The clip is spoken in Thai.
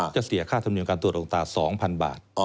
เสียค่าธรรมเนียมการตรวจโรงตา๒๐๐๐บาท